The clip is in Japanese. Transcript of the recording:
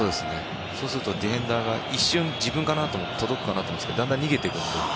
そうするとディフェンダーが一瞬、自分かな届くかなと思うんですけどだんだん逃げていくので。